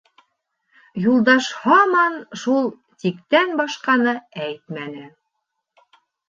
Юлдаш һаман шул «тик»тән башҡаны әйтмәне.